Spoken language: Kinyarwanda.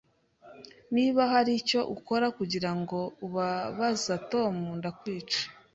Niba hari icyo ukora kugirango ubabaza Tom, nzakwica